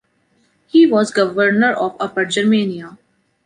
He was governor of Upper Germania.